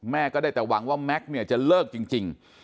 ก็ได้แต่หวังว่าแม็กซ์เนี่ยจะเลิกจริง